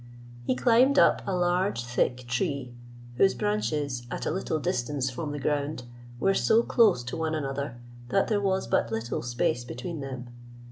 He climbed up a large, thick tree, whose branches, at a little distance from the ground, were so close to one another that there was but little space between them.